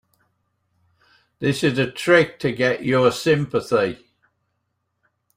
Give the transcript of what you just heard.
This is a trick to get your sympathy.